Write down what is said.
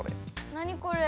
何これ？